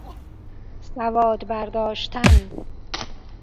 سواد برداشتن